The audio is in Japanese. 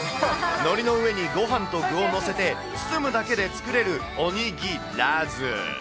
のりの上にごはんと具を載せて、包むだけで作れる、おにぎらず。